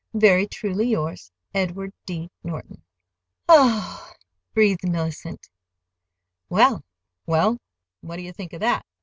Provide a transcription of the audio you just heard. Very truly yours, EDWARD D. NORTON. "Oh h!" breathed Mellicent. "Well, what do you think of it?"